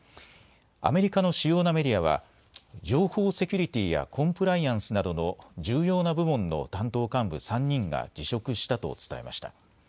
アメリカの主要なメディアは、情報セキュリティーやコンプライアンスなどの重要な部門の担当幹部３人が辞職したと伝えました。